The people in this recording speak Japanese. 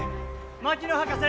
・槙野博士！